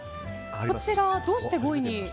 こちらはどうして５位に？